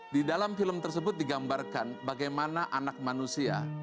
di dalam film tersebut digambarkan bagaimana anak manusia